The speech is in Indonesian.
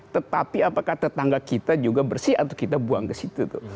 tetapi apakah tetangga kita juga bersih atau kita buang ke situ tuh